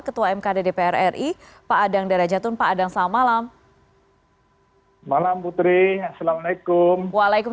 ketua mkd dpr ri pak adang darajatun pak adang selamat malam putri assalamualaikum